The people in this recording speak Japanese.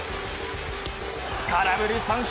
空振り三振！